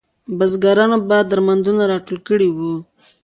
بزګرانو به درمندونه راټول کړي وو.